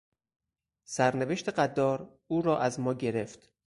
سرنوشت قدار او را از ما گرفت.